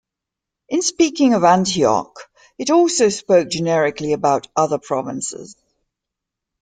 In speaking of Antioch, it also spoke generically about "other provinces".